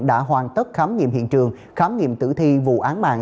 đã hoàn tất khám nghiệm hiện trường khám nghiệm tử thi vụ án mạng